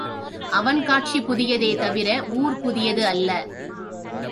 அவன் காட்சி புதியதே தவிர ஊர் புதியது அல்ல.